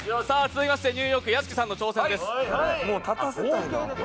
続きましてニューヨーク屋敷さんの挑戦です。